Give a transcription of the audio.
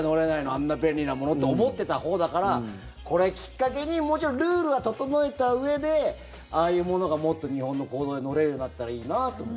あんな便利なものって思ってたほうだからこれきっかけにもちろんルールは整えたうえでああいうものがもっと日本の公道で乗れるようになったらいいなと思う。